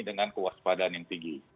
dengan kewaspadaan yang tinggi